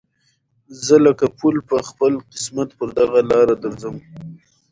زه لکه پل په خپل قسمت پر دغه لاره درځم